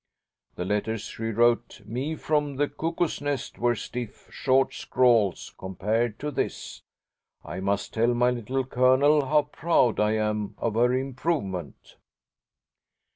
The letters she wrote me from the Cuckoo's Nest were stiff, short scrawls compared to this. I must tell my Little Colonel how proud I am of her improvement."